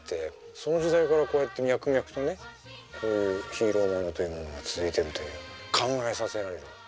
その時代からこうやって脈々とねこういうヒーローものというものが続いてるという考えさせられる。